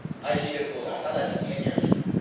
レコーダー直ちに返却する。